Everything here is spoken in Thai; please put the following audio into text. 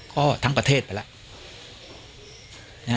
ก็ทั้งประเทศไปแล้ว